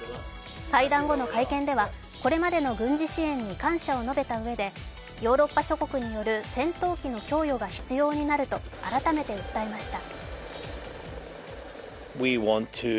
会談後の会見では、これまでの軍事支援に感謝を述べたうえでヨーロッパ諸国による戦闘機の供与が必要になると改めて訴えました。